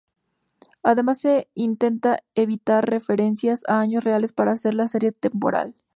Además se intenta evitar referencias a años reales para hacer la serie atemporal.